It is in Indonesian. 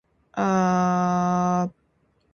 Kamu pernah ke Paris?